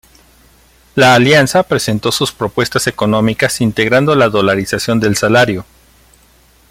La alianza presentó sus propuestas económicas integrando la dolarización del salario.